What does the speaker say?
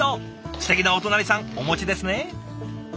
すてきなお隣さんお持ちですね。